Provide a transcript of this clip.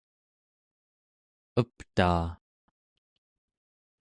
eptaa